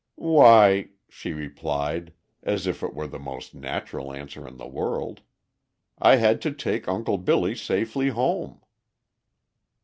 "Why," she replied, as if it were the most natural answer in the world, "I had to take Uncle Billy safely home."